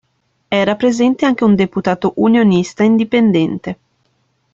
Era presente anche un deputato unionista indipendente.